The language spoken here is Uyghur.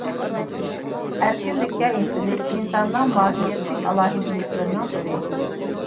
ئەركىنلىككە ئىنتىلىش ئىنساننىڭ ماھىيەتلىك ئالاھىدىلىكلىرىنىڭ بىرى.